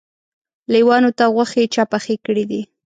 لېوانو ته غوښې چا پخې کړی دي.